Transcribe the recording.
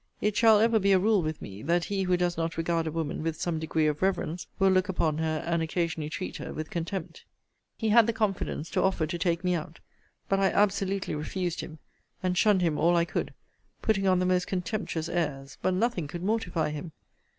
It shall ever be a rule with me, that he who does not regard a woman with some degree of reverence, will look upon her and occasionally treat her with contempt. He had the confidence to offer to take me out; but I absolutely refused him, and shunned him all I could, putting on the most contemptuous airs; but nothing could mortify him.